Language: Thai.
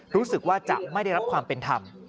รู้สึกว่าจะไม่ได้รับความเป็นธรรม